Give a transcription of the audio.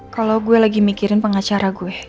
kalau gue lagi mikirin pengacara gue